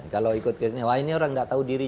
kalau ikut ke sini wah ini orang tidak tahu diri